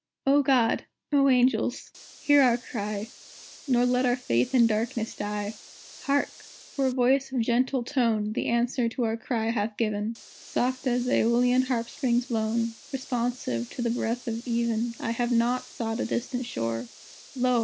O God! O Angels! hear our cry, Nor let our faith in darkness die! Hark! for a voice of gentle tone The answer to our cry hath given, Soft as Æolian harpstrings blown, Responsive to the breath of even "I have not sought a distant shore; Lo!